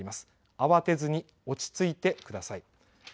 慌てずに落ち着いてください。